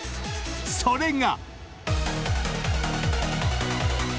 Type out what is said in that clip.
［それが］